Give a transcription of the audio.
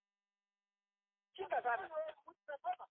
Sanaa yapendeza vijana sana.